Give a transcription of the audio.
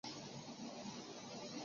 唐朝羁縻州。